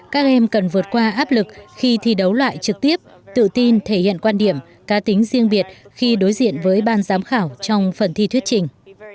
các em cần vượt qua áp lực khi thi đấu loại trực tiếp tự tin thể hiện quan điểm cá tính riêng biệt khi đối diện với ban giám khảo trong phần thi thuyết trình